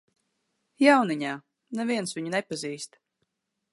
Jauniņā, neviens viņu nepazīst.